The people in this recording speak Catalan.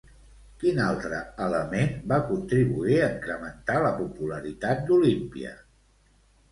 Quin altre element va contribuir a incrementar la popularitat d'Olímpia?